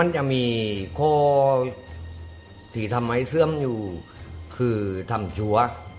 จะมีข้อที่ทำให้เสื่อมอยู่คือทำจัว